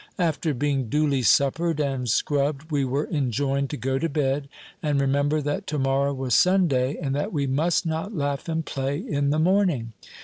After being duly suppered and scrubbed, we were enjoined to go to bed, and remember that to morrow was Sunday, and that we must not laugh and play in the morning.